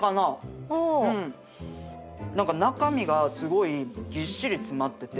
何か中身がすごいぎっしり詰まってて。